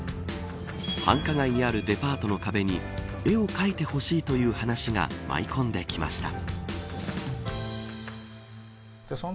繁華街にあるデパートの壁に絵を描いてほしいという話が舞い込んできました。